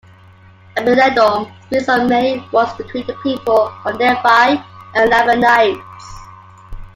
Abinadom speaks of many wars between the people of Nephi and the Lamanites.